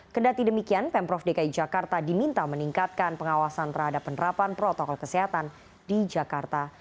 kedati demikian pemprov dki jakarta diminta meningkatkan pengawasan terhadap penerapan protokol kesehatan di jakarta